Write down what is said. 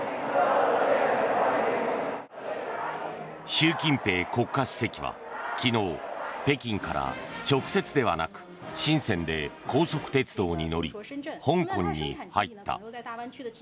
習近平国家主席は昨日、北京から直接ではなくシンセンで高速鉄道に乗り香港に入った。